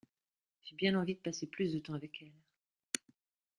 J'ai bien envie de passer plus de temps avec elle.